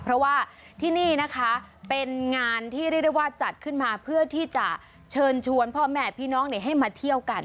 เพราะว่าที่นี่นะคะเป็นงานที่เรียกได้ว่าจัดขึ้นมาเพื่อที่จะเชิญชวนพ่อแม่พี่น้องให้มาเที่ยวกัน